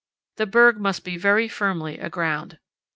The berg must be very firmly aground.